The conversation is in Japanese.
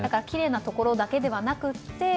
きれいなところだけではなくて。